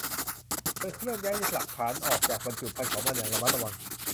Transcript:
เธอเคลื่อนย้ายหลักฐานออกจากบรรจุภัณฑ์ของมันอย่างระมัดระวัง